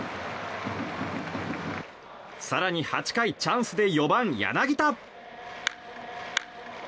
更に８回チャンスで４番、柳田。